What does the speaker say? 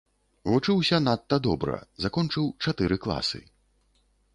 Вучыўся надта добра, закончыў чатыры класы.